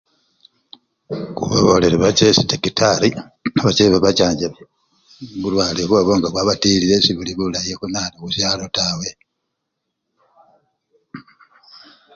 Khubabaolele bache esi dakitari bache babachanjabe bulwale obwobwo nga bwabatilile sebuli bulay khuna! khusyalo tawe.